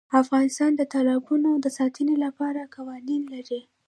افغانستان د تالابونه د ساتنې لپاره قوانین لري.